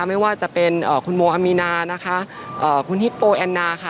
ไม่ว่าจะเป็นคุณโมอามีนานะคะคุณฮิปโปแอนนาค่ะ